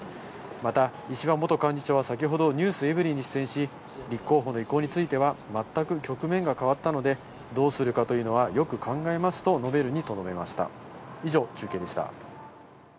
また、石破元幹事長は先ほどｎｅｗｓｅｖｅｒｙ．に出演し、立候補の意向については、全く局面が変わったので、どうするかというのはよく考えますと述べるにとどめました。